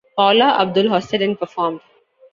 Paula Abdul hosted and performed.